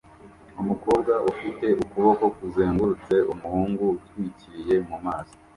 Umukobwa ufite ukuboko kuzengurutse umuhungu utwikiriye mu maso